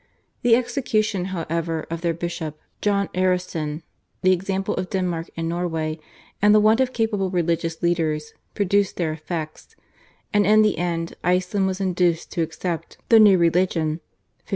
The execution, however, of their bishop, John Aresen, the example of Denmark and Norway, and the want of capable religious leaders produced their effects, and in the end Iceland was induced to accept the new religion (1551).